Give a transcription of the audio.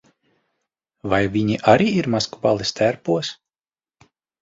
Vai viņi arī ir maskuballes tērpos?